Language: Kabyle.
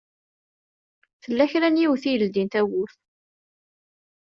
Tella kra n yiwet i yeldin tawwurt.